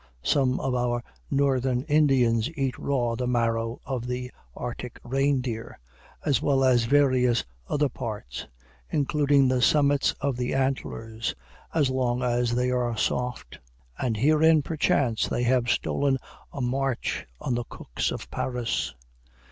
Some of our Northern Indians eat raw the marrow of the Arctic reindeer, as well as various other parts, including the summits of the antlers, as long as they are soft. And herein, perchance, they have stolen a match on the cooks of Paris.